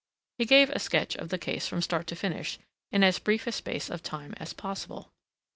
He gave a sketch of the case from start to finish in as brief a space of time as possible.